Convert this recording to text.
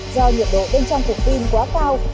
do nhiệt độ bên trong cục pin quá cao